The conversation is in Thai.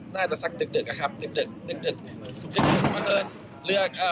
น่าจะสักตึกตึก